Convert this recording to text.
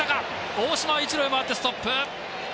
大島、一塁へ回ってストップ。